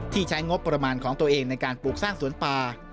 ใช้งบประมาณของตัวเองในการปลูกสร้างสวนป่า